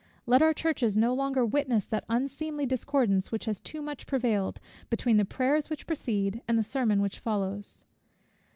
Let our churches no longer witness that unseemly discordance, which has too much prevailed, between the prayers which precede, and the sermon which follows.